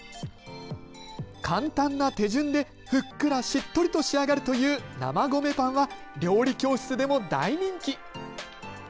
簡単な手順でふっくら、しっとりと仕上がるという生米パンは料理教室でも大人気。